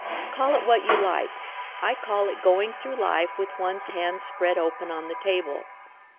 "Call it what you like. I call it going through life with one's hand spread open on the table.